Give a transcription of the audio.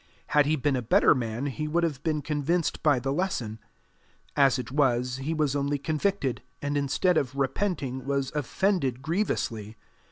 Had he been a better man, he would have been convinced by the lesson; as it was, he was only convicted, and instead of repenting was offended grievously.